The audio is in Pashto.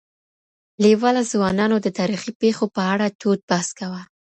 لېواله ځوانانو د تاريخي پېښو په اړه تود بحث کاوه.